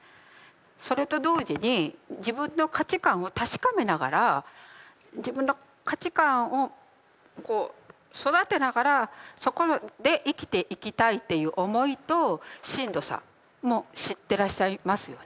それと同時に自分の価値観を確かめながら自分の価値観をこう育てながらそこで生きていきたいっていう思いとしんどさも知ってらっしゃいますよね。